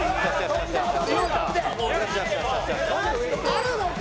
あるのか！